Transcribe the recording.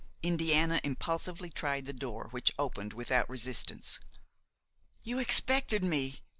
Indiana impulsively tried the door, which opened without resistance. "You expected me!"